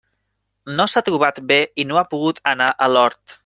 No s'ha trobat bé i no ha pogut anar a l'hort.